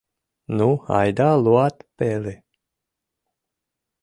— Ну, айда луат пелы!